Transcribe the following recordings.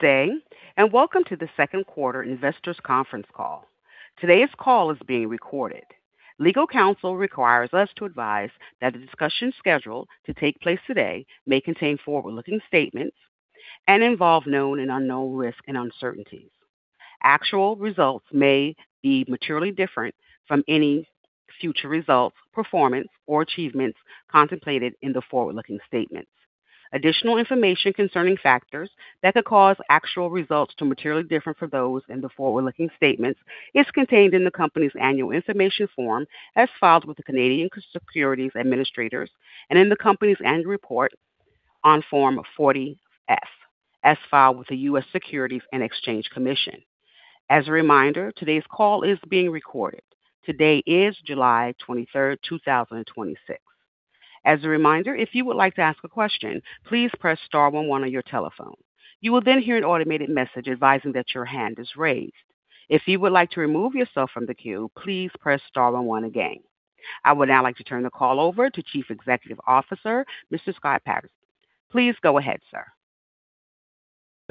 Day, and welcome to the second quarter investors' conference call. Today's call is being recorded. Legal counsel requires us to advise that the discussion scheduled to take place today may contain forward-looking statements and involve known and unknown risks and uncertainties. Actual results may be materially different from any future results, performance, or achievements contemplated in the forward-looking statements. Additional information concerning factors that could cause actual results to materially differ from those in the forward-looking statements is contained in the company's annual information form, as filed with the Canadian Securities Administrators, and in the company's annual report on Form 40-F, as filed with the U.S. Securities and Exchange Commission. As a reminder, today's call is being recorded. Today is July 23rd, 2026. As a reminder, if you would like to ask a question, please press star one one on your telephone. You will then hear an automated message advising that your hand is raised. If you would like to remove yourself from the queue, please press *1 again. I would now like to turn the call over to Chief Executive Officer, Mr. Scott Patterson. Please go ahead, sir.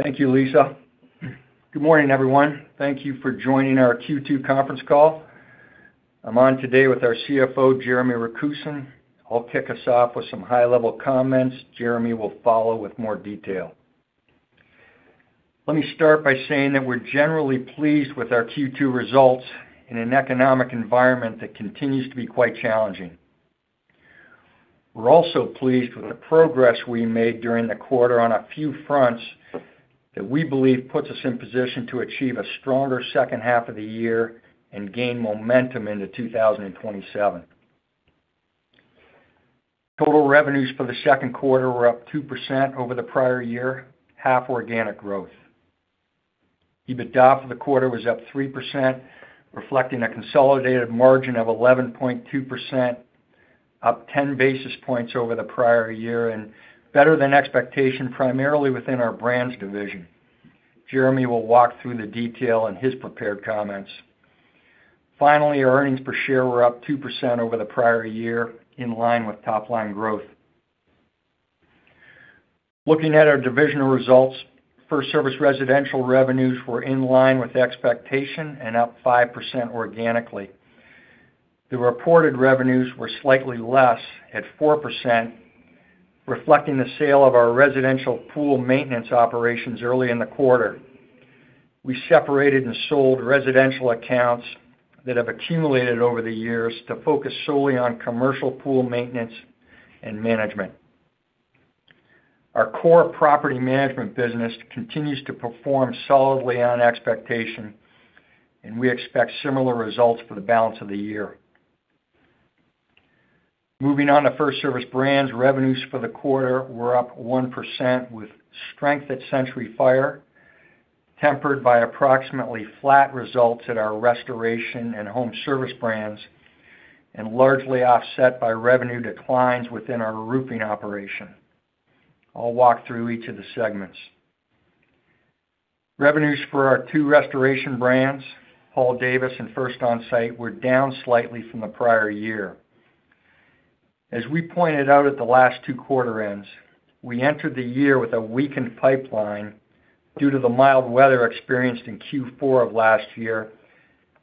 Thank you, Lisa. Good morning, everyone. Thank you for joining our Q2 conference call. I'm on today with our CFO, Jeremy Rakusin. I'll kick us off with some high-level comments. Jeremy will follow with more detail. Let me start by saying that we're generally pleased with our Q2 results in an economic environment that continues to be quite challenging. We're also pleased with the progress we made during the quarter on a few fronts that we believe puts us in position to achieve a stronger second half of the year and gain momentum into 2027. Total revenues for the second quarter were up 2% over the prior year, half organic growth. EBITDA for the quarter was up 3%, reflecting a consolidated margin of 11.2%, up 10 basis points over the prior year and better than expectation, primarily within our Brands division. Jeremy will walk through the detail in his prepared comments. Finally, our earnings per share were up 2% over the prior year, in line with top-line growth. Looking at our divisional results, FirstService Residential revenues were in line with expectation and up 5% organically. The reported revenues were slightly less at 4%, reflecting the sale of our residential pool maintenance operations early in the quarter. We separated and sold residential accounts that have accumulated over the years to focus solely on commercial pool maintenance and management. Our core property management business continues to perform solidly on expectation, and we expect similar results for the balance of the year. Moving on to FirstService Brands, revenues for the quarter were up 1% with strength at Century Fire, tempered by approximately flat results at our restoration and home service brands and largely offset by revenue declines within our roofing operation. I'll walk through each of the segments. Revenues for our two restoration brands, Paul Davis and First Onsite, were down slightly from the prior year. As we pointed out at the last two quarter ends, we entered the year with a weakened pipeline due to the mild weather experienced in Q4 of last year,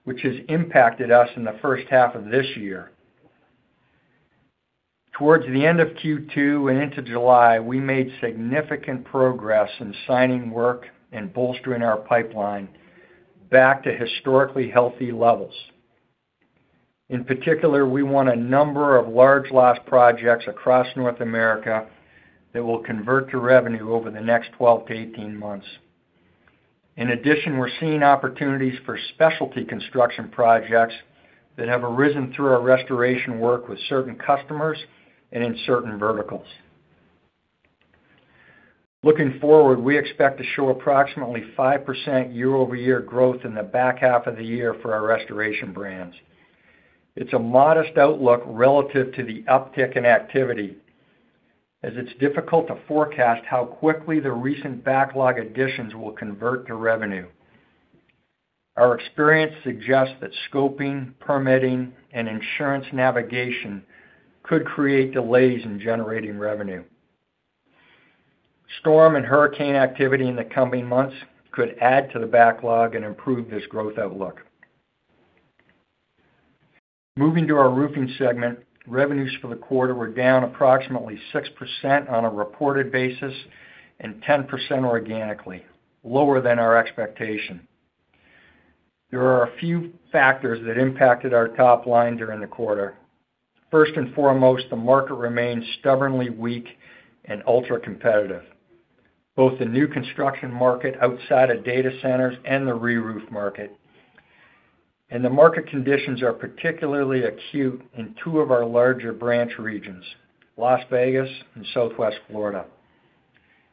which has impacted us in the first half of this year. Towards the end of Q2 and into July, we made significant progress in signing work and bolstering our pipeline back to historically healthy levels. In particular, we won a number of large loss projects across North America that will convert to revenue over the next 12 to 18 months. In addition, we are seeing opportunities for specialty construction projects that have arisen through our restoration work with certain customers and in certain verticals. Looking forward, we expect to show approximately 5% year-over-year growth in the back half of the year for our restoration brands. It is a modest outlook relative to the uptick in activity, as it is difficult to forecast how quickly the recent backlog additions will convert to revenue. Our experience suggests that scoping, permitting, and insurance navigation could create delays in generating revenue. Storm and hurricane activity in the coming months could add to the backlog and improve this growth outlook. Moving to our roofing segment, revenues for the quarter were down approximately 6% on a reported basis and 10% organically, lower than our expectation. There are a few factors that impacted our top line during the quarter. First and foremost, the market remains stubbornly weak and ultra-competitive, both the new construction market outside of data centers and the reroof market. The market conditions are particularly acute in two of our larger branch regions, Las Vegas and Southwest Florida.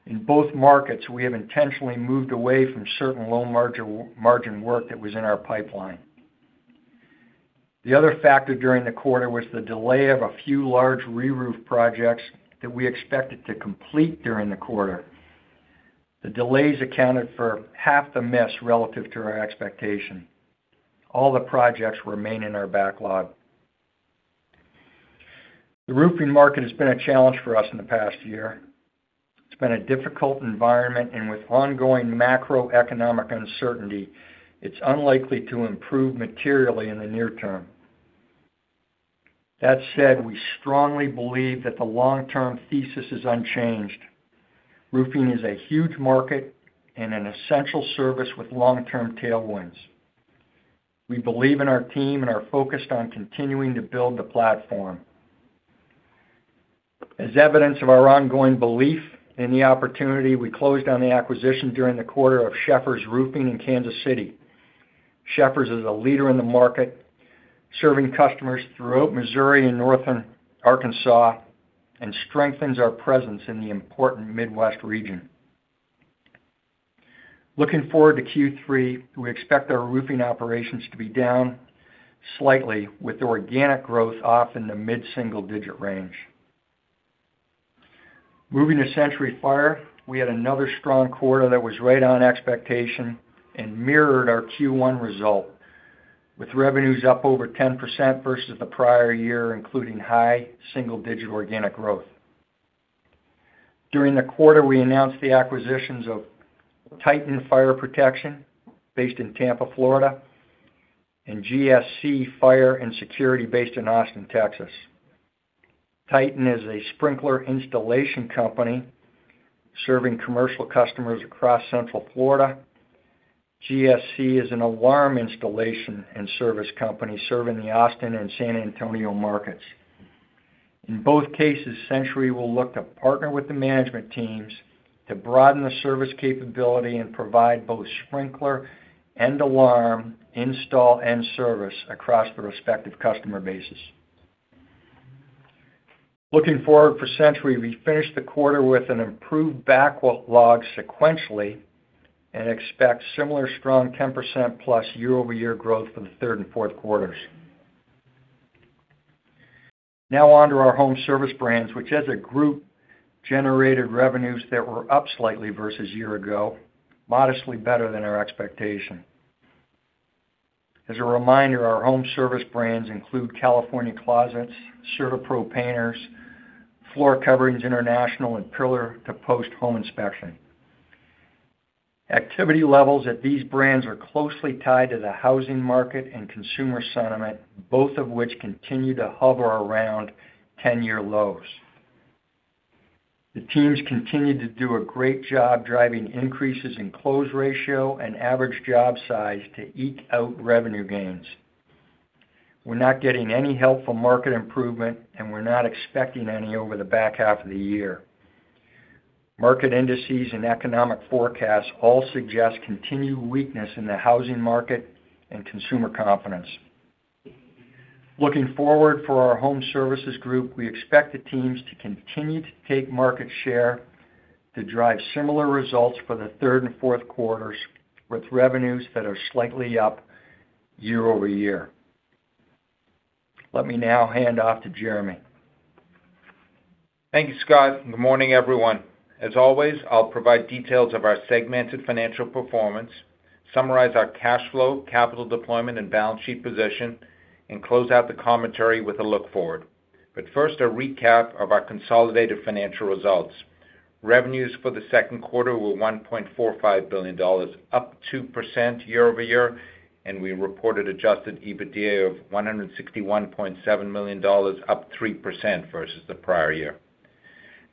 In both markets, we have intentionally moved away from certain low-margin work that was in our pipeline. The other factor during the quarter was the delay of a few large reroof projects that we expected to complete during the quarter. The delays accounted for half the miss relative to our expectation. All the projects remain in our backlog. The roofing market has been a challenge for us in the past year. It has been a difficult environment, and with ongoing macroeconomic uncertainty, it is unlikely to improve materially in the near term. That said, we strongly believe that the long-term thesis is unchanged. Roofing is a huge market and an essential service with long-term tailwinds. We believe in our team and are focused on continuing to build the platform. As evidence of our ongoing belief in the opportunity, we closed on the acquisition during the quarter of Schefers Roofing in Kansas City. Schefers is a leader in the market, serving customers throughout Missouri and northern Arkansas, and strengthens our presence in the important Midwest region. Looking forward to Q3, we expect our roofing operations to be down slightly with organic growth off in the mid-single-digit range. Moving to Century Fire, we had another strong quarter that was right on expectation and mirrored our Q1 result, with revenues up over 10% versus the prior year, including high single-digit organic growth. During the quarter, we announced the acquisitions of Titan Fire Protection, based in Tampa, Florida, and GSC Fire & Security, based in Austin, Texas. Titan is a sprinkler installation company serving commercial customers across central Florida. GSC is an alarm installation and service company serving the Austin and San Antonio markets. In both cases, Century will look to partner with the management teams to broaden the service capability and provide both sprinkler and alarm install and service across the respective customer bases. Looking forward for Century, we finished the quarter with an improved backlog sequentially and expect similar strong 10% plus year-over-year growth for the third and fourth quarters. Now on to our home service brands, which as a group, generated revenues that were up slightly versus year ago, modestly better than our expectation. As a reminder, our home service brands include California Closets, CertaPro Painters, Floor Coverings International, and Pillar To Post Home Inspectors. Activity levels at these brands are closely tied to the housing market and consumer sentiment, both of which continue to hover around 10-year lows. The teams continue to do a great job driving increases in close ratio and average job size to eke out revenue gains. We're not getting any help from market improvement, and we're not expecting any over the back half of the year. Market indices and economic forecasts all suggest continued weakness in the housing market and consumer confidence. Looking forward for our home services group, we expect the teams to continue to take market share to drive similar results for the third and fourth quarters, with revenues that are slightly up year-over-year. Let me now hand off to Jeremy. Thank you, Scott, and good morning, everyone. As always, I'll provide details of our segmented financial performance, summarize our cash flow, capital deployment, and balance sheet position, and close out the commentary with a look forward. First, a recap of our consolidated financial results. Revenues for the second quarter were $1.45 billion, up 2% year-over-year, and we reported adjusted EBITDA of $161.7 million, up 3% versus the prior year.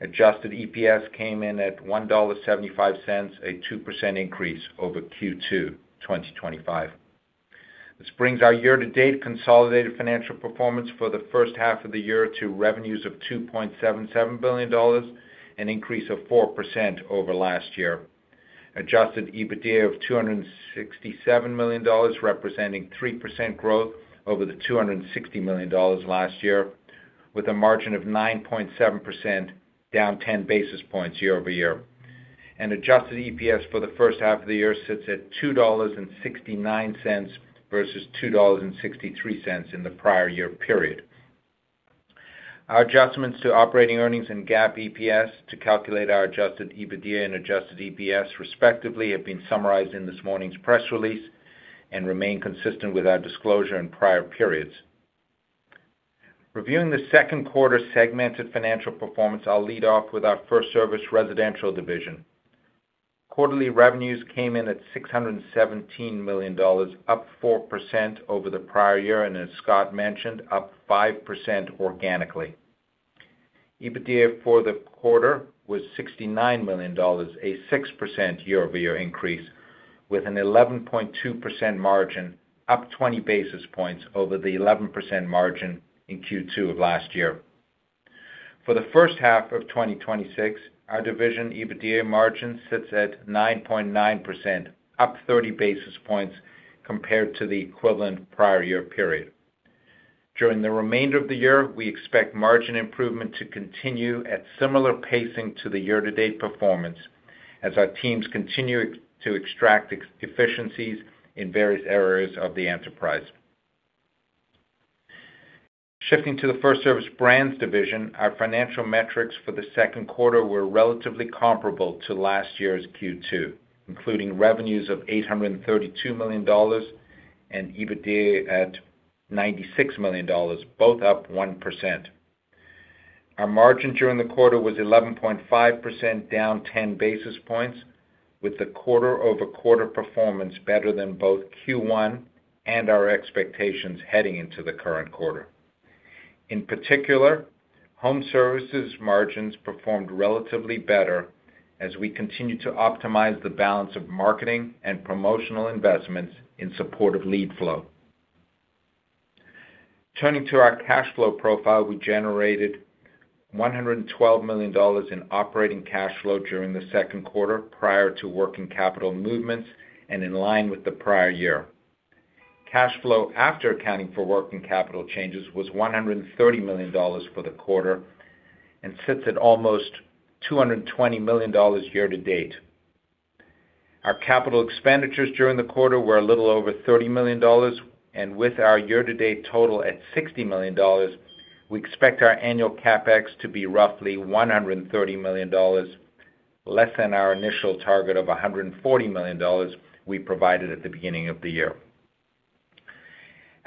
Adjusted EPS came in at $1.75, a 2% increase over Q2 2025. This brings our year-to-date consolidated financial performance for the first half of the year to revenues of $2.77 billion, an increase of 4% over last year. Adjusted EBITDA of $267 million, representing 3% growth over the $260 million last year, with a margin of 9.7%, down 10 basis points year-over-year. Adjusted EPS for the first half of the year sits at $2.69 versus $2.63 in the prior year period. Our adjustments to operating earnings and GAAP EPS to calculate our adjusted EBITDA and adjusted EPS, respectively, have been summarized in this morning's press release and remain consistent with our disclosure in prior periods. Reviewing the second quarter segmented financial performance, I'll lead off with our FirstService Residential division. Quarterly revenues came in at $617 million, up 4% over the prior year, and as Scott mentioned, up 5% organically. EBITDA for the quarter was $69 million, a 6% year-over-year increase with an 11.2% margin, up 20 basis points over the 11% margin in Q2 of last year. For the first half of 2026, our division EBITDA margin sits at 9.9%, up 30 basis points compared to the equivalent prior year period. During the remainder of the year, we expect margin improvement to continue at similar pacing to the year-to-date performance as our teams continue to extract efficiencies in various areas of the enterprise. Shifting to the FirstService Brands division, our financial metrics for the second quarter were relatively comparable to last year's Q2, including revenues of $832 million and EBITDA at $96 million, both up 1%. Our margin during the quarter was 11.5%, down 10 basis points, with the quarter-over-quarter performance better than both Q1 and our expectations heading into the current quarter. In particular, home services margins performed relatively better as we continue to optimize the balance of marketing and promotional investments in support of lead flow. Turning to our cash flow profile, we generated $112 million in operating cash flow during the second quarter prior to working capital movements and in line with the prior year. Cash flow after accounting for working capital changes was $130 million for the quarter and sits at almost $220 million year-to-date. Our capital expenditures during the quarter were a little over $30 million, and with our year-to-date total at $60 million, we expect our annual CapEx to be roughly $130 million, less than our initial target of $140 million we provided at the beginning of the year.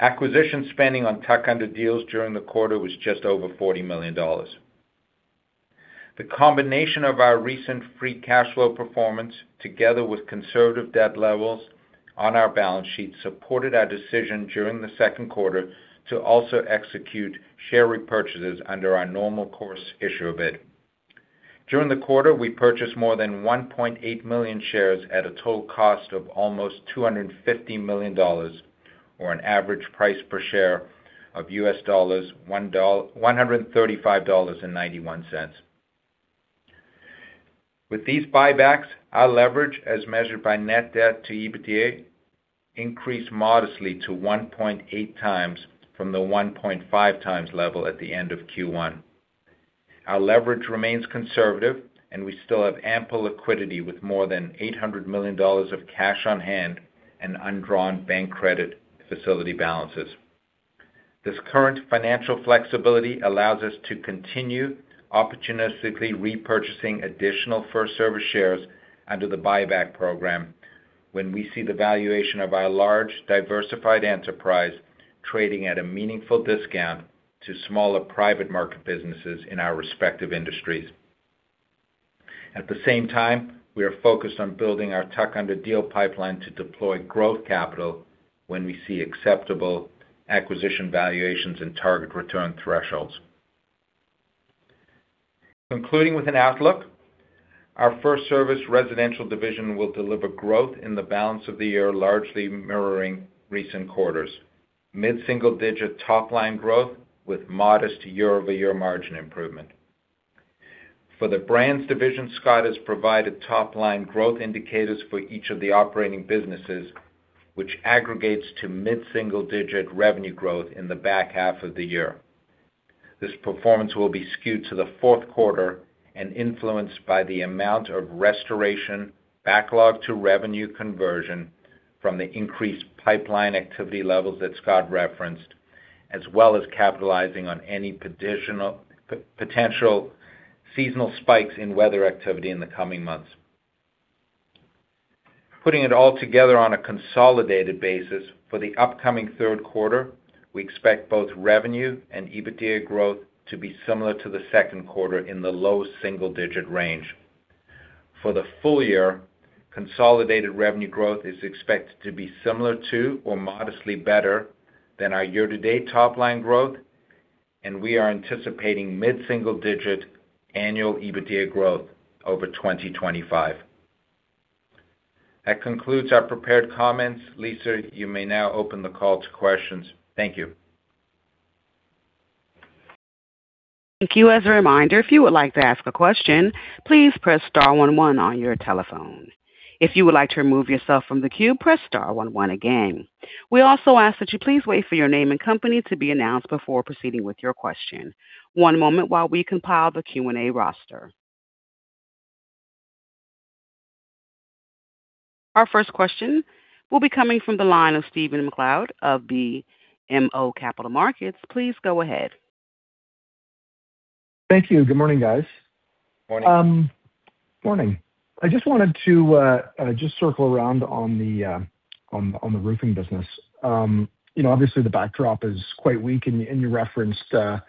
Acquisition spending on tuck-under deals during the quarter was just over $40 million. The combination of our recent free cash flow performance, together with conservative debt levels on our balance sheet, supported our decision during the second quarter to also execute share repurchases under our Normal Course Issuer Bid. During the quarter, we purchased more than 1.8 million shares at a total cost of almost $250 million or an average price per share of $135.91. With these buybacks, our leverage, as measured by net debt to EBITDA, increased modestly to 1.8x from the 1.5x level at the end of Q1. Our leverage remains conservative, and we still have ample liquidity with more than $800 million of cash on hand and undrawn bank credit facility balances. This current financial flexibility allows us to continue opportunistically repurchasing additional FirstService shares under the buyback program when we see the valuation of our large, diversified enterprise trading at a meaningful discount to smaller private market businesses in our respective industries. At the same time, we are focused on building our tuck-under deal pipeline to deploy growth capital when we see acceptable acquisition valuations and target return thresholds. Concluding with an outlook, our FirstService Residential division will deliver growth in the balance of the year, largely mirroring recent quarters. Mid-single-digit top-line growth with modest year-over-year margin improvement. For the brands division, Scott has provided top-line growth indicators for each of the operating businesses, which aggregates to mid-single-digit revenue growth in the back half of the year. This performance will be skewed to the fourth quarter and influenced by the amount of restoration backlog to revenue conversion from the increased pipeline activity levels that Scott referenced, as well as capitalizing on any potential seasonal spikes in weather activity in the coming months. Putting it all together on a consolidated basis for the upcoming third quarter, we expect both revenue and EBITDA growth to be similar to the second quarter in the low single-digit range. For the full year, consolidated revenue growth is expected to be similar to or modestly better than our year-to-date top-line growth, and we are anticipating mid-single-digit annual EBITDA growth over 2025. That concludes our prepared comments. Lisa, you may now open the call to questions. Thank you. Thank you. As a reminder, if you would like to ask a question, please press star one one on your telephone. If you would like to remove yourself from the queue, press star one one again. We also ask that you please wait for your name and company to be announced before proceeding with your question. One moment while we compile the Q&A roster. Our first question will be coming from the line of Stephen MacLeod of BMO Capital Markets. Please go ahead. Thank you. Good morning, guys. Morning. Morning. I just wanted to circle around on the roofing business. Obviously, the backdrop is quite weak, and you referenced a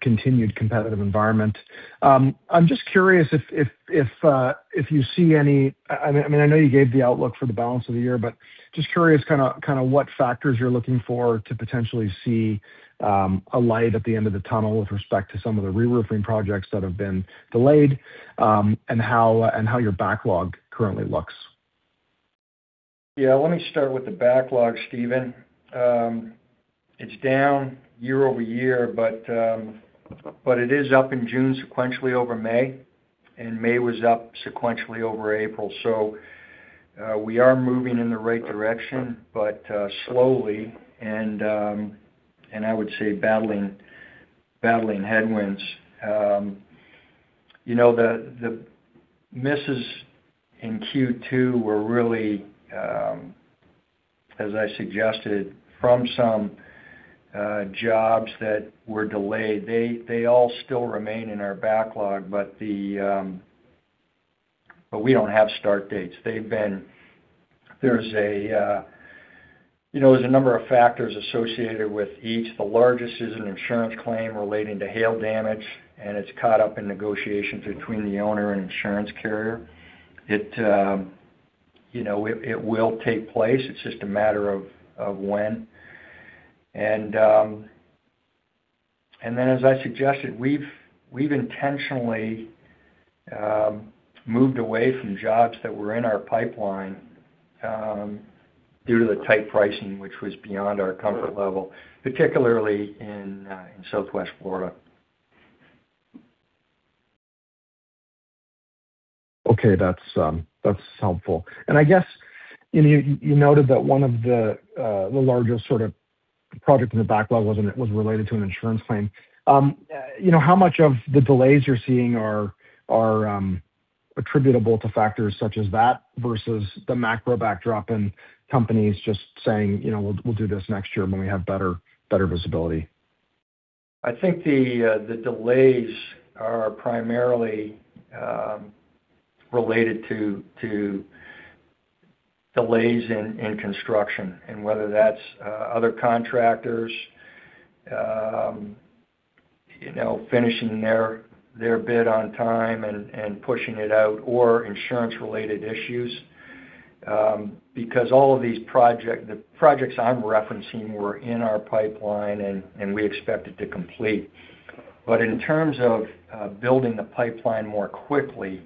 continued competitive environment. I'm just curious if you see any. I know you gave the outlook for the balance of the year, but just curious what factors you're looking for to potentially see a light at the end of the tunnel with respect to some of the re-roofing projects that have been delayed, and how your backlog currently looks. Yeah. Let me start with the backlog, Stephen. It's down year-over-year, it is up in June sequentially over May, and May was up sequentially over April. We are moving in the right direction, but slowly and I would say battling headwinds. The misses in Q2 were really, as I suggested, from some jobs that were delayed. They all still remain in our backlog, but the, we don't have start dates. There's a number of factors associated with each. The largest is an insurance claim relating to hail damage, and it's caught up in negotiations between the owner and insurance carrier. It will take place, it's just a matter of when. As I suggested, we've intentionally moved away from jobs that were in our pipeline due to the tight pricing which was beyond our comfort level, particularly in Southwest Florida. Okay. That's helpful. I guess you noted that one of the largest project in the backlog was related to an insurance claim. How much of the delays you're seeing are attributable to factors such as that versus the macro backdrop and companies just saying, "We'll do this next year when we have better visibility"? I think the delays are primarily related to delays in construction and whether that's other contractors finishing their bid on time and pushing it out or insurance-related issues. All of these projects, the projects I'm referencing were in our pipeline, and we expected to complete. In terms of building the pipeline more quickly,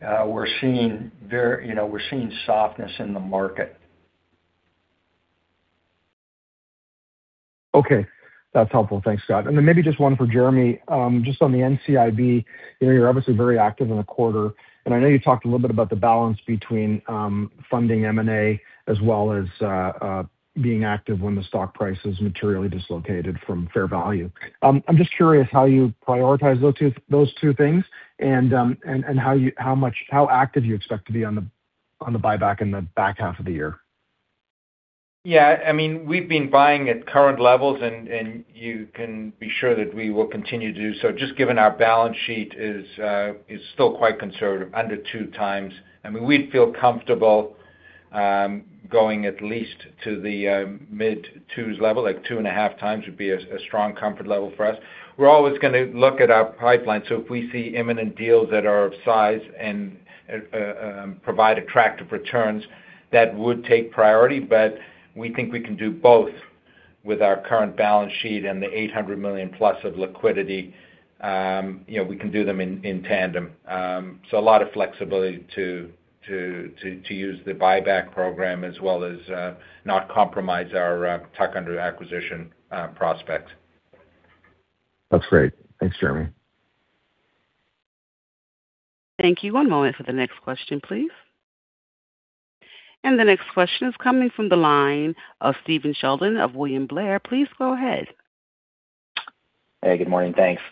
we're seeing softness in the market. Okay. That's helpful. Thanks, Scott. Maybe just one for Jeremy, just on the NCIB. You're obviously very active in a quarter, and I know you talked a little bit about the balance between funding M&A as well as being active when the stock price is materially dislocated from fair value. I'm just curious how you prioritize those two things and how active you expect to be on the buyback in the back half of the year. Yeah. We've been buying at current levels, you can be sure that we will continue to do so just given our balance sheet is still quite conservative, under two times. We'd feel comfortable going at least to the mid twos level, like two and a half times would be a strong comfort level for us. We're always going to look at our pipeline. If we see imminent deals that are of size and provide attractive returns, that would take priority, but we think we can do both with our current balance sheet and the $800 million plus of liquidity. We can do them in tandem. A lot of flexibility to use the buyback program as well as not compromise our tuck-under acquisition prospects. That's great. Thanks, Jeremy. Thank you. One moment for the next question, please. The next question is coming from the line of Stephen Sheldon of William Blair. Please go ahead. Hey, good morning. Thanks.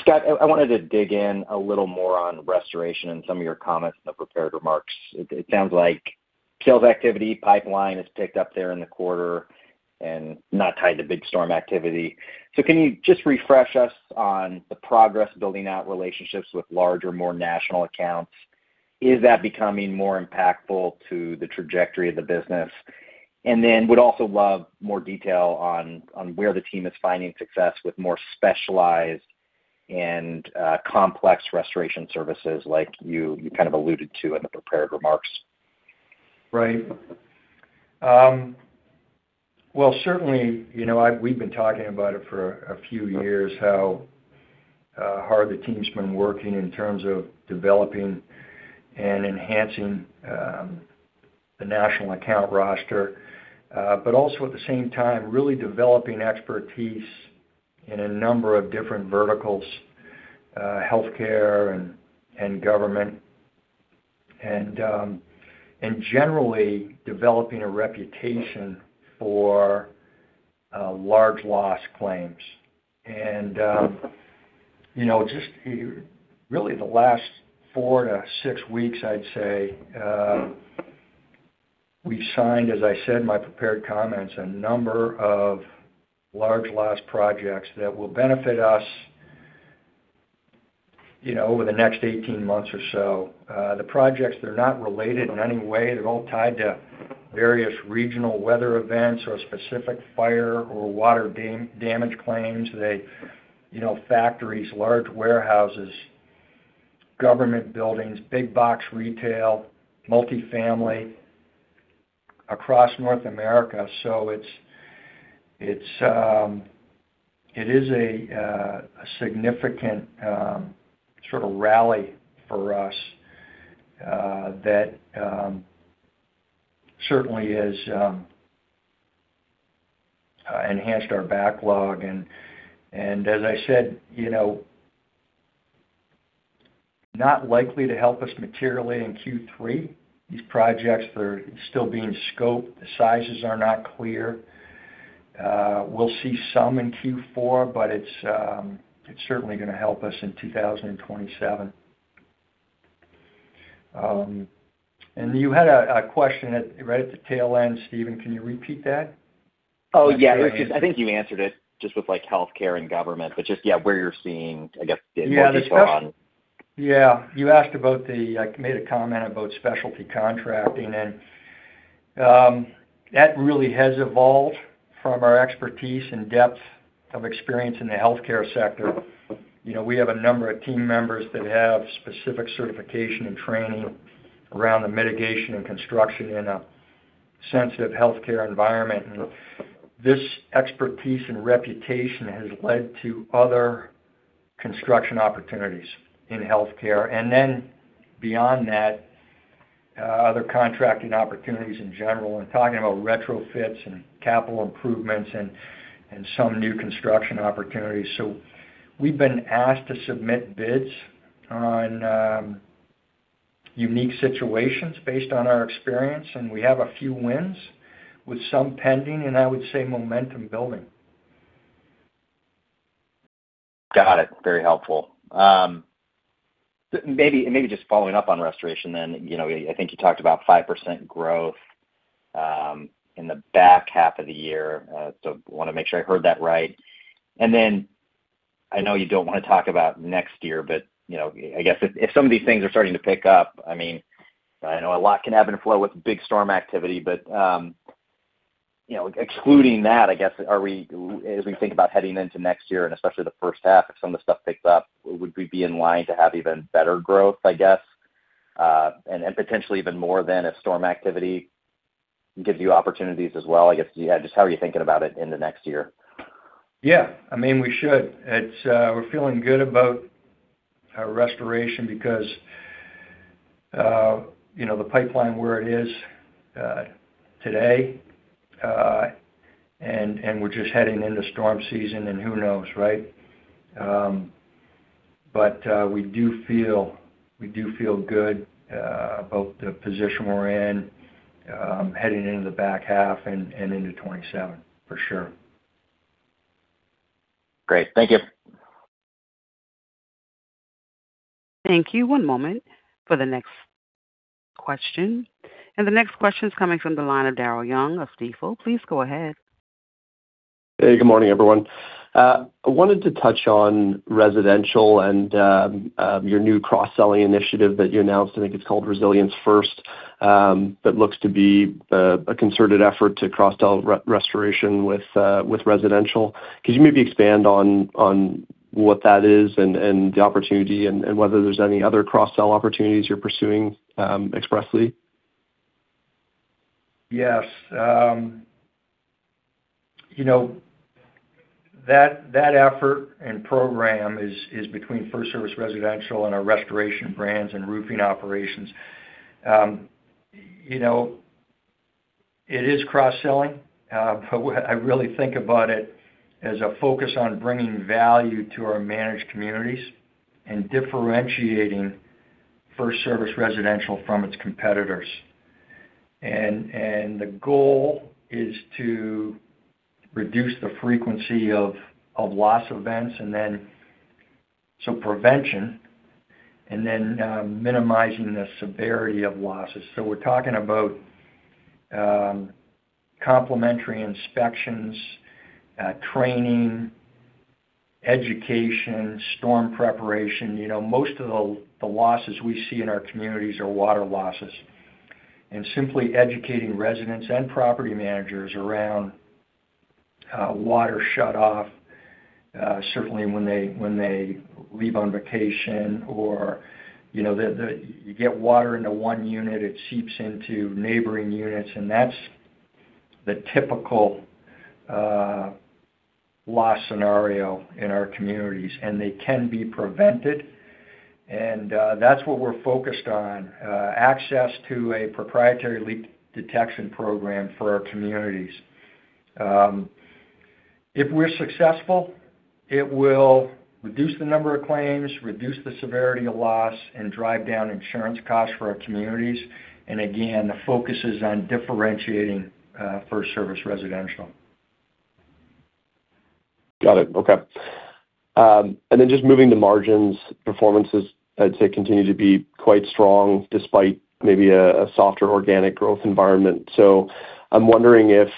Scott, I wanted to dig in a little more on restoration and some of your comments in the prepared remarks. It sounds like sales activity pipeline has picked up there in the quarter and not tied to big storm activity. Can you just refresh us on the progress building out relationships with larger, more national accounts? Is that becoming more impactful to the trajectory of the business? Would also love more detail on where the team is finding success with more specialized and complex restoration services like you kind of alluded to in the prepared remarks. Right. Well, certainly, we've been talking about it for a few years, how hard the team's been working in terms of developing and enhancing the national account roster. Also at the same time, really developing expertise in a number of different verticals, healthcare and government, and generally developing a reputation for large loss claims. Just really the last four to six weeks, I'd say, we've signed, as I said in my prepared comments, a number of large loss projects that will benefit us over the next 18 months or so. The projects, they're not related in any way. They're all tied to various regional weather events or specific fire or water damage claims. Factories, large warehouses, government buildings, big box retail, multifamily across North America. It is a significant sort of rally for us, that certainly has enhanced our backlog. As I said, not likely to help us materially in Q3. These projects, they're still being scoped. The sizes are not clear. We'll see some in Q4, but it's certainly going to help us in 2027. You had a question right at the tail end, Stephen. Can you repeat that? Oh, yeah. Richard, I think you answered it just with healthcare and government, just yeah, where you're seeing, I guess, the multi-store on. Yeah. You asked about. I made a comment about specialty contracting. That really has evolved from our expertise and depth of experience in the healthcare sector. We have a number of team members that have specific certification and training around the mitigation and construction in a sensitive healthcare environment. This expertise and reputation has led to other construction opportunities in healthcare and then beyond that, other contracting opportunities in general and talking about retrofits and capital improvements and some new construction opportunities. We've been asked to submit bids on unique situations based on our experience, and we have a few wins with some pending, and I would say momentum building. Got it. Very helpful. Maybe just following up on restoration then. I think you talked about 5% growth in the back half of the year. Want to make sure I heard that right. Then I know you don't want to talk about next year, but, I guess if some of these things are starting to pick up, I know a lot can ebb and flow with big storm activity, but, excluding that, I guess, as we think about heading into next year and especially the first half, if some of the stuff picks up, would we be in line to have even better growth, I guess? Potentially even more than if storm activity gives you opportunities as well, I guess. Yeah, just how are you thinking about it in the next year? Yeah, we should. We're feeling good about our restoration because, the pipeline where it is today, we're just heading into storm season and who knows, right? We do feel good about the position we're in, heading into the back half and into 2027 for sure. Great. Thank you. Thank you. One moment for the next question. The next question is coming from the line of Daryl Young of Stifel. Please go ahead. Hey, good morning, everyone. I wanted to touch on Residential and your new cross-selling initiative that you announced, I think it's called Resilience First, that looks to be a concerted effort to cross-sell restoration with Residential. Could you maybe expand on what that is and the opportunity and whether there's any other cross-sell opportunities you're pursuing expressly? Yes. That effort and program is between FirstService Residential and our restoration brands and roofing operations. It is cross-selling, but I really think about it as a focus on bringing value to our managed communities and differentiating FirstService Residential from its competitors. The goal is to reduce the frequency of loss events and then some prevention and then minimizing the severity of losses. We're talking about complementary inspections, training, education, storm preparation. Most of the losses we see in our communities are water losses. Simply educating residents and property managers around water shutoff, certainly when they leave on vacation or you get water into one unit, it seeps into neighboring units, and that's the typical loss scenario in our communities, and they can be prevented. That's what we're focused on, access to a proprietary leak detection program for our communities. If we're successful, it will reduce the number of claims, reduce the severity of loss, and drive down insurance costs for our communities. Again, the focus is on differentiating FirstService Residential. Got it. Okay. Just moving to margins, performances, I'd say, continue to be quite strong despite maybe a softer organic growth environment. I'm wondering if,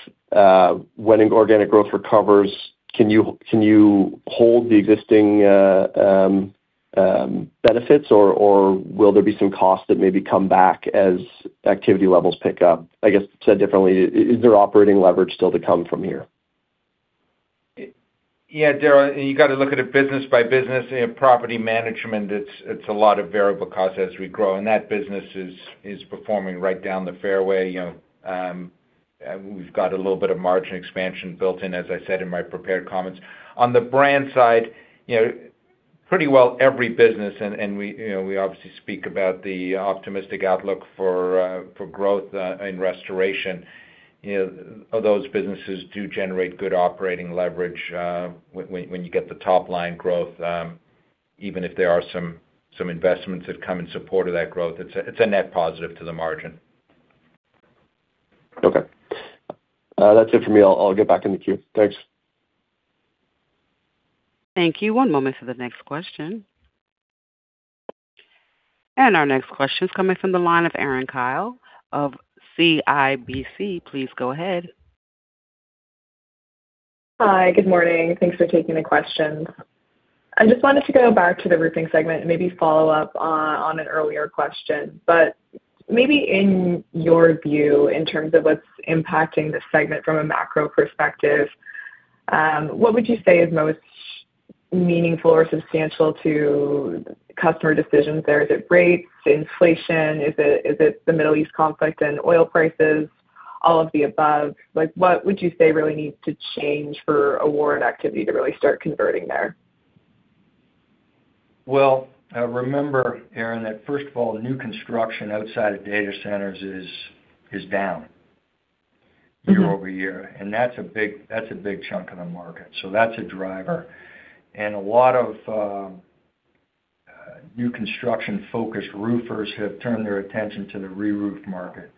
when organic growth recovers, can you hold the existing benefits or will there be some costs that maybe come back as activity levels pick up? I guess said differently, is there operating leverage still to come from here? Yeah, Daryl, you got to look at it business by business. In FirstService Residential, it's a lot of variable costs as we grow, and that business is performing right down the fairway. We've got a little bit of margin expansion built in, as I said in my prepared comments. On the FirstService Brands side, pretty well every business, and we obviously speak about the optimistic outlook for growth in restoration. Those businesses do generate good operating leverage, when you get the top-line growth, even if there are some investments that come in support of that growth. It's a net positive to the margin. Okay. That's it for me. I'll get back in the queue. Thanks. Thank you. One moment for the next question. Our next question is coming from the line of Erin Kyle of CIBC. Please go ahead. Hi. Good morning. Thanks for taking the questions. I just wanted to go back to the roofing segment and maybe follow up on an earlier question. Maybe in your view, in terms of what's impacting the segment from a macro perspective, what would you say is most meaningful or substantial to customer decisions there? Is it rates, inflation? Is it the Middle East conflict and oil prices? All of the above? What would you say really needs to change for award activity to really start converting there? Well, remember, Erin, that first of all, new construction outside of data centers is down year-over-year. That's a big chunk of the market, so that's a driver. A lot of new construction-focused roofers have turned their attention to the reroof market.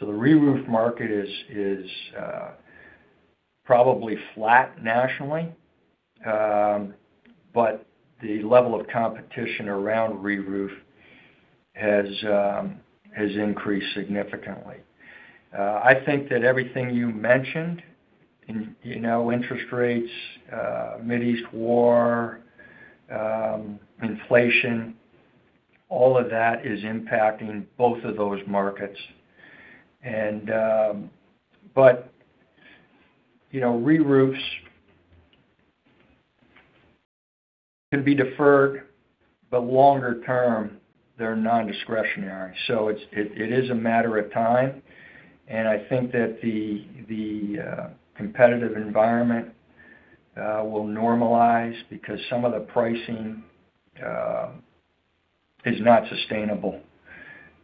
The reroof market is probably flat nationally, but the level of competition around reroof has increased significantly. I think that everything you mentioned, interest rates, Mideast war, inflation, all of that is impacting both of those markets. Reroofs can be deferred, but longer term, they're non-discretionary. It is a matter of time, and I think that the competitive environment will normalize because some of the pricing is not sustainable.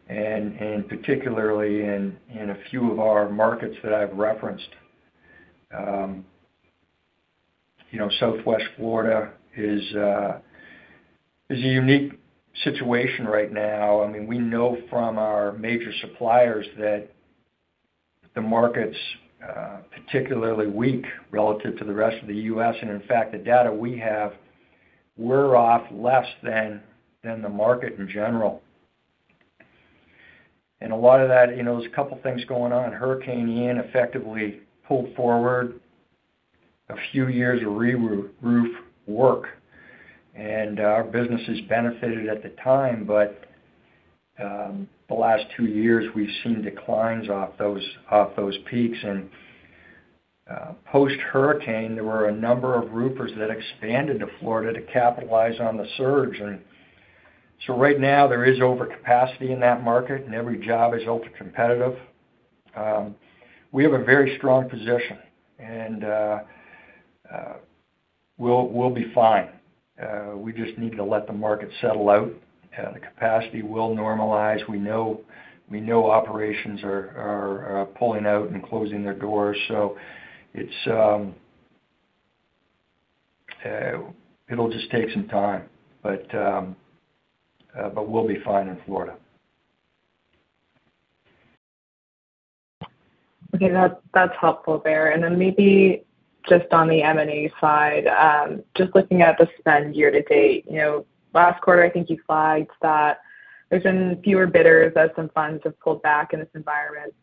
Particularly in a few of our markets that I've referenced. Southwest Florida is a unique situation right now. We know from our major suppliers that the market's particularly weak relative to the rest of the U.S. In fact, the data we have, we're off less than the market in general. A lot of that, there's a couple things going on. Hurricane Ian effectively pulled forward a few years of reroof work, and our businesses benefited at the time. The last two years, we've seen declines off those peaks. Post-hurricane, there were a number of roofers that expanded to Florida to capitalize on the surge. So right now there is overcapacity in that market and every job is ultra-competitive. We have a very strong position and we'll be fine. We just need to let the market settle out. The capacity will normalize. We know operations are pulling out and closing their doors. It'll just take some time, but we'll be fine in Florida. Okay. That's helpful there. Maybe just on the M&A side, just looking at the spend year-to-date. Last quarter, I think you flagged that there's been fewer bidders as some funds have pulled back in this environment.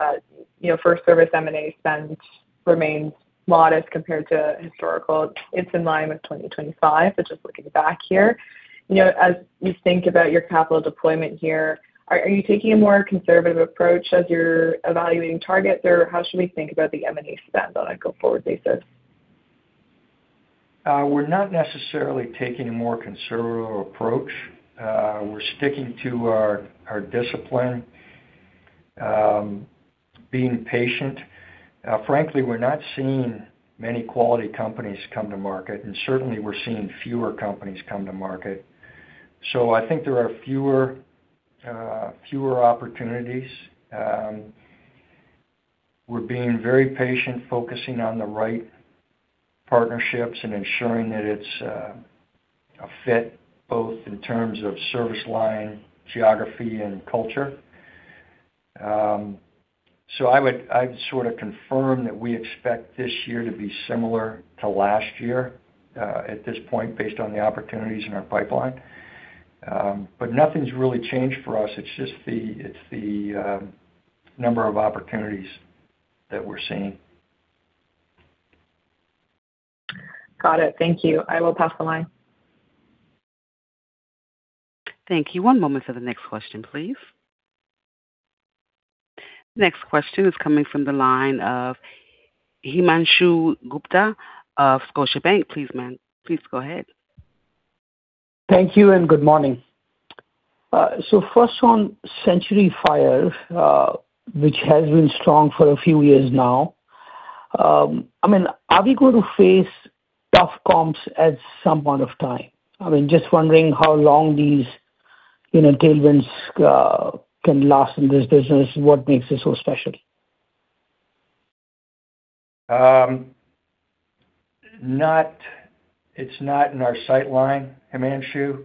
FirstService M&A spend remains modest compared to historical. It's in line with 2025, but just looking back here. As you think about your capital deployment here, are you taking a more conservative approach as you're evaluating targets? How should we think about the M&A spend on a go-forward basis? We're not necessarily taking a more conservative approach. We're sticking to our discipline, being patient. Frankly, we're not seeing many quality companies come to market, and certainly we're seeing fewer companies come to market. I think there are fewer opportunities. We're being very patient, focusing on the right partnerships and ensuring that it's a fit both in terms of service line, geography, and culture. I'd sort of confirm that we expect this year to be similar to last year at this point, based on the opportunities in our pipeline. Nothing's really changed for us. It's just the number of opportunities that we're seeing. Got it. Thank you. I will pass the line. Thank you. One moment for the next question, please. Next question is coming from the line of Himanshu Gupta of Scotiabank. Please go ahead. Thank you and good morning. First on Century Fires, which has been strong for a few years now. Are we going to face tough comps at some point of time? Just wondering how long these tailwinds can last in this business. What makes it so special? It's not in our sight line, Himanshu.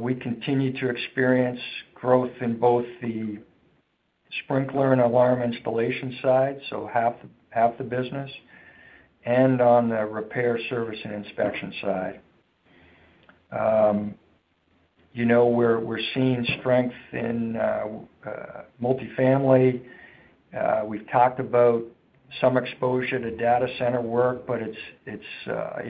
We continue to experience growth in both the sprinkler and alarm installation side, so half the business, and on the repair, service, and inspection side. We're seeing strength in multi-family. We've talked about some exposure to data center work, but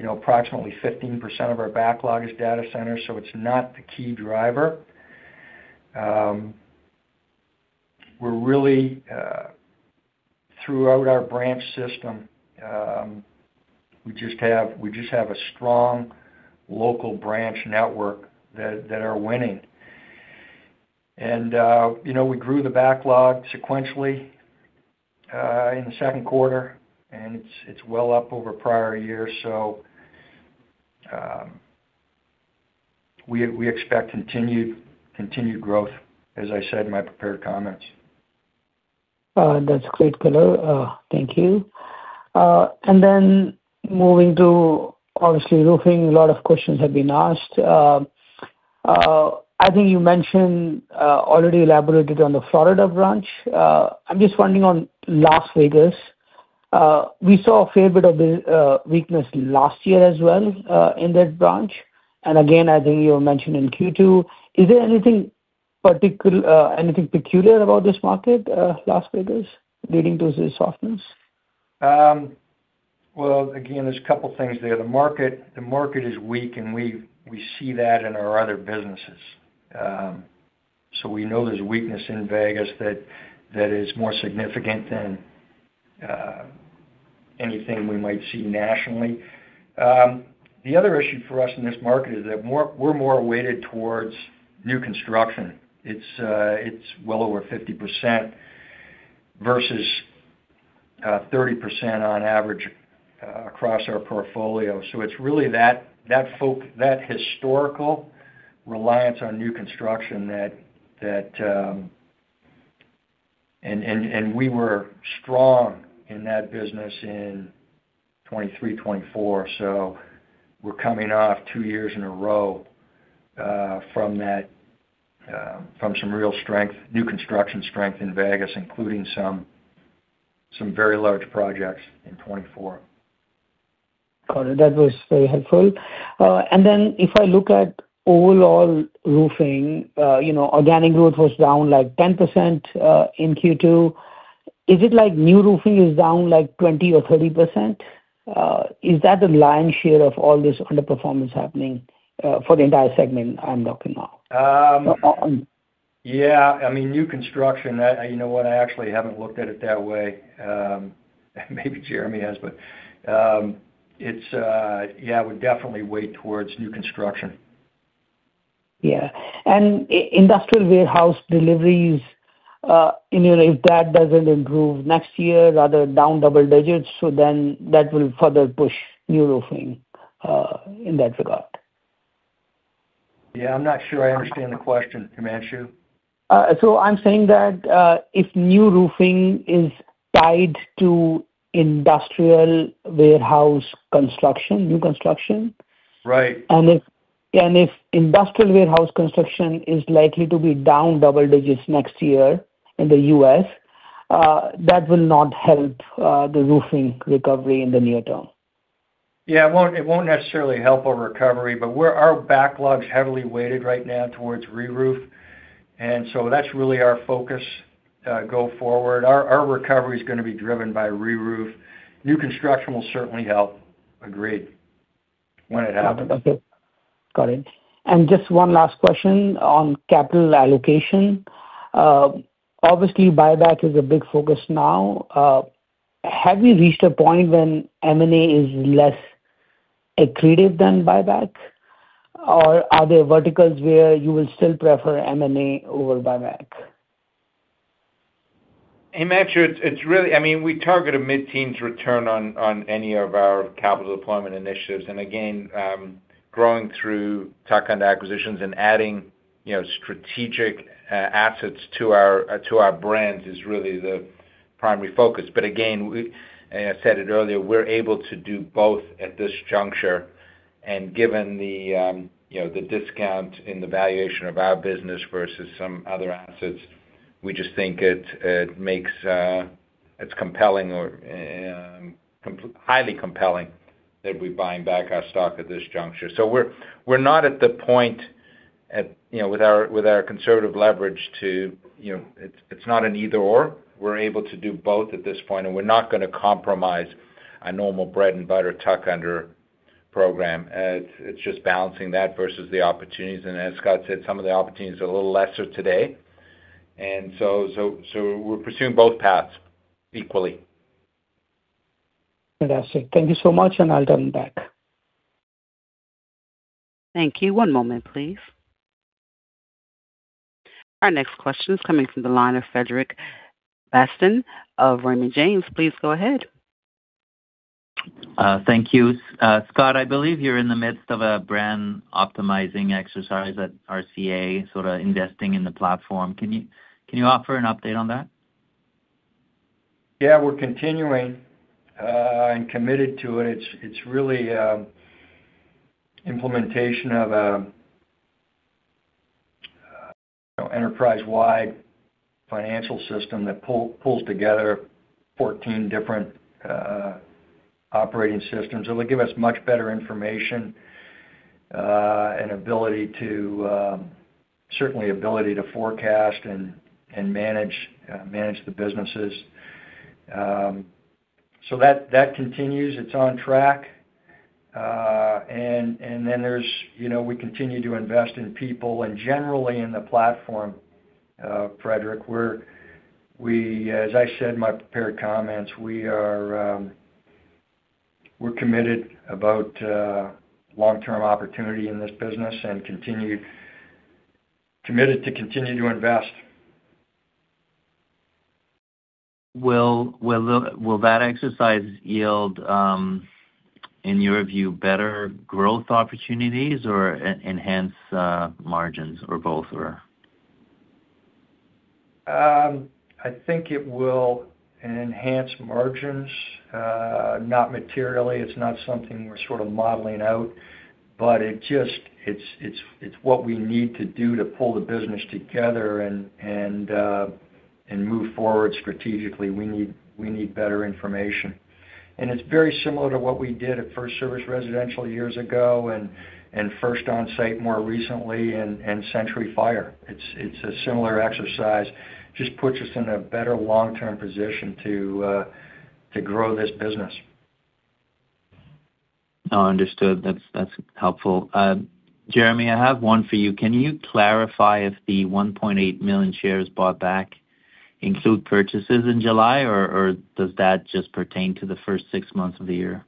approximately 15% of our backlog is data center, so it's not the key driver. Throughout our branch system, we just have a strong local branch network that are winning. We grew the backlog sequentially in the second quarter, and it's well up over prior years, so we expect continued growth, as I said in my prepared comments. That's great, Taylor. Thank you. Then moving to, obviously, roofing, a lot of questions have been asked. I think you mentioned, already elaborated on the Florida branch. I'm just wondering on Las Vegas. We saw a fair bit of weakness last year as well, in that branch. Again, I think you mentioned in Q2. Is there anything peculiar about this market, Las Vegas, leading to the softness? Again, there's a couple things there. The market is weak, and we see that in our other businesses. We know there's weakness in Vegas that is more significant than anything we might see nationally. The other issue for us in this market is that we're more weighted towards new construction. It's well over 50%, versus 30% on average across our portfolio. It's really that historical reliance on new construction. We were strong in that business in 2023, 2024, so we're coming off two years in a row from some real new construction strength in Vegas, including some very large projects in 2024. Got it. That was very helpful. Then if I look at overall roofing, organic growth was down like 10% in Q2. Is it like new roofing is down like 20% or 30%? Is that the lion's share of all this underperformance happening for the entire segment I'm talking about? Yeah. New construction. You know what, I actually haven't looked at it that way. Maybe Jeremy has. It would definitely weigh towards new construction. Yeah. Industrial warehouse deliveries, if that doesn't improve next year, rather down double digits. That will further push new roofing, in that regard. Yeah, I'm not sure I understand the question, Himanshu. I'm saying that if new roofing is tied to industrial warehouse construction, new construction. Right. If industrial warehouse construction is likely to be down double digits next year in the U.S., that will not help the roofing recovery in the near term. It won't necessarily help a recovery. Our backlog's heavily weighted right now towards reroof, that's really our focus go forward. Our recovery's going to be driven by reroof. New construction will certainly help, agreed, when it happens. Just one last question on capital allocation. Obviously, buyback is a big focus now. Have you reached a point when M&A is less accretive than buyback, or are there verticals where you will still prefer M&A over buyback? Himanshu, we target a mid-teens return on any of our capital deployment initiatives. Growing through tuck-under acquisitions and adding strategic assets to our brands is really the primary focus. I said it earlier, we're able to do both at this juncture, and given the discount in the valuation of our business versus some other assets, we just think it's compelling or highly compelling that we're buying back our stock at this juncture. We're not at the point with our conservative leverage to, it's not an either/or. We're able to do both at this point, and we're not going to compromise our normal bread-and-butter tuck-under program. It's just balancing that versus the opportunities. As Scott said, some of the opportunities are a little lesser today, we're pursuing both paths equally. Fantastic. Thank you so much. I'll turn it back. Thank you. One moment, please. Our next question is coming from the line of Frederic Bastien of Raymond James. Please go ahead. Thank you. Scott, I believe you're in the midst of a brand optimizing exercise at RCA, sort of investing in the platform. Can you offer an update on that? Yeah, we're continuing, and committed to it. It's really implementation of a enterprise-wide financial system that pulls together 14 different operating systems. It'll give us much better information, and certainly ability to forecast and manage the businesses. That continues. It's on track. We continue to invest in people and generally in the platform, Frederic. As I said in my prepared comments, we're committed about long-term opportunity in this business and committed to continue to invest. Will that exercise yield, in your view, better growth opportunities or enhance margins or both? I think it will enhance margins, not materially. It's not something we're sort of modeling out. It's what we need to do to pull the business together and move forward strategically. We need better information. It's very similar to what we did at FirstService Residential years ago and First Onsite more recently and Century Fire. It's a similar exercise. Just puts us in a better long-term position to grow this business. Understood. That's helpful. Jeremy, I have one for you. Can you clarify if the 1.8 million shares bought back include purchases in July, or does that just pertain to the first six months of the year?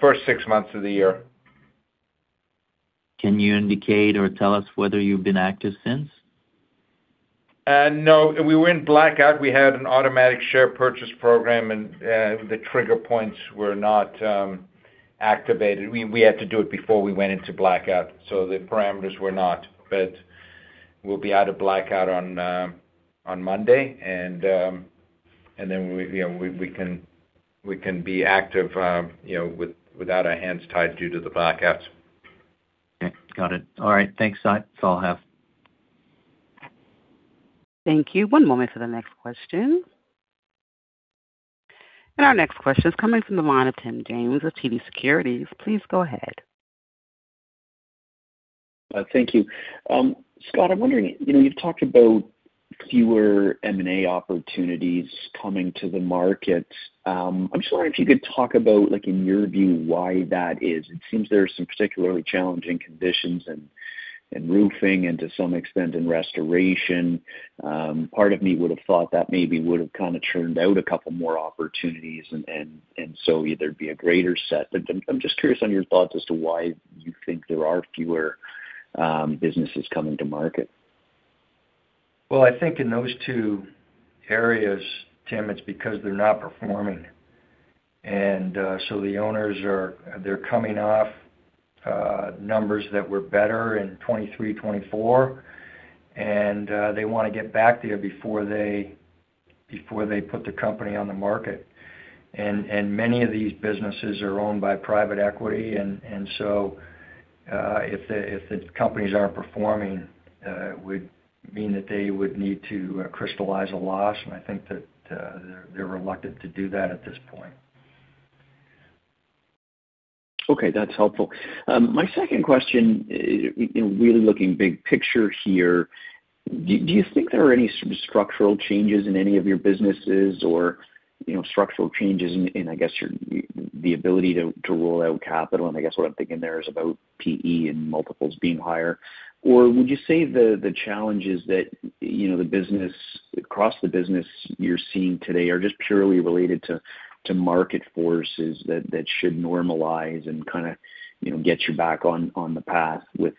First six months of the year. Can you indicate or tell us whether you've been active since? No. We were in blackout. We had an automatic share purchase program, the trigger points were not activated. We had to do it before we went into blackout, the parameters were not. We'll be out of blackout on Monday, then we can be active without our hands tied due to the blackouts. Okay, got it. All right. Thanks. That's all I have. Thank you. One moment for the next question. Our next question is coming from the line of Tim James with TD Securities. Please go ahead. Thank you. Scott, I'm wondering, you've talked about fewer M&A opportunities coming to the markets. I'm just wondering if you could talk about, in your view, why that is. It seems there are some particularly challenging conditions in roofing and to some extent in restoration. Part of me would've thought that maybe would've kind of churned out a couple more opportunities. So either it'd be a greater set. I'm just curious on your thoughts as to why you think there are fewer businesses coming to market. I think in those two areas, Tim, it's because they're not performing. The owners are coming off numbers that were better in 2023, 2024, and they want to get back there before they put the company on the market. Many of these businesses are owned by private equity, so, if the companies aren't performing, it would mean that they would need to crystallize a loss. I think that they're reluctant to do that at this point. Okay. That's helpful. My second question, really looking big picture here, do you think there are any sort of structural changes in any of your businesses or structural changes in, I guess, the ability to roll out capital? I guess what I'm thinking there is about PE and multiples being higher. Would you say the challenges that across the business you're seeing today are just purely related to market forces that should normalize and kind of get you back on the path with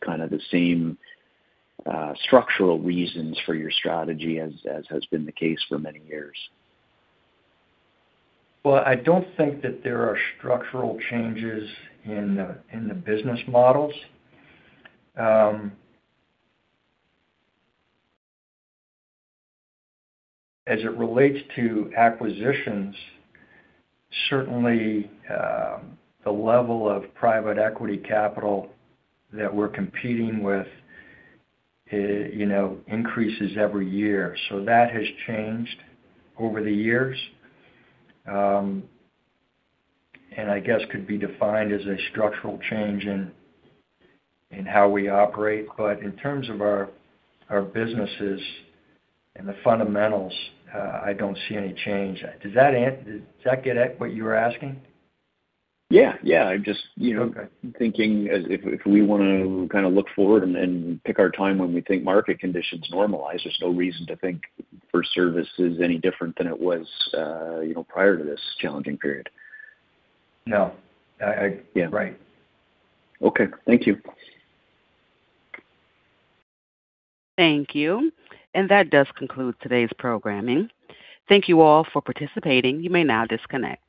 kind of the same structural reasons for your strategy as has been the case for many years? I don't think that there are structural changes in the business models. As it relates to acquisitions, certainly, the level of private equity capital that we're competing with increases every year. That has changed over the years. I guess could be defined as a structural change in how we operate. In terms of our businesses and the fundamentals, I don't see any change. Does that get at what you were asking? Yeah. Okay. I'm thinking if we want to kind of look forward and pick our time when we think market conditions normalize, there's no reason to think FirstService is any different than it was prior to this challenging period. No. Right. Okay. Thank you. Thank you. That does conclude today's programming. Thank you all for participating. You may now disconnect.